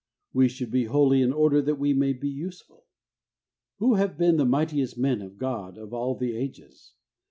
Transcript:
We should be holy, in order that we may be useful. Who have been the mightiest men of God of all the ages